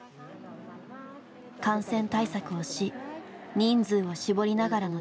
感染対策をし人数を絞りながらの実施です。